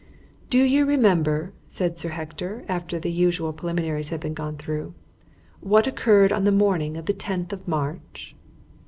"Do you remember," said Sir Hector, after the usual preliminaries had been gone through, "what occurred on the morning of the tenth of March?"